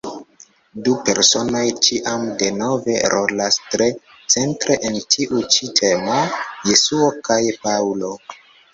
Du personoj ĉiam denove rolas tre centre en tiu ĉi temo: Jesuo kaj Paŭlo.